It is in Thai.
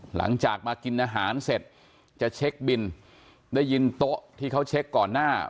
หลังจากมากินอาหารเสร็จจะเช็คบินได้ยินโต๊ะที่เขาเช็คก่อนหน้า